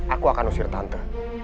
aku akan usir tante